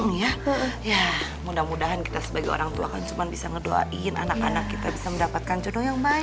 iya mudah mudahan kita sebagai orang tua kan cuma bisa ngedoain anak anak kita bisa mendapatkan jodoh yang baik